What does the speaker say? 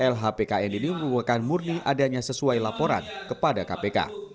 lhpkn ini merupakan murni adanya sesuai laporan kepada kpk